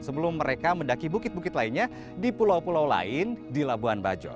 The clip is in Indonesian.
sebelum mereka mendaki bukit bukit lainnya di pulau pulau lain di labuan bajo